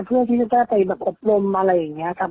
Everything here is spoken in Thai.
เพื่อที่จะแก้ไปแบบอบรมอะไรอย่างนี้ครับ